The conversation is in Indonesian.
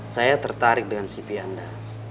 saya tertarik dengan cp anda